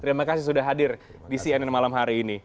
terima kasih sudah hadir di cnn malam hari ini